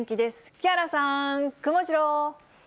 木原さん、くもジロー。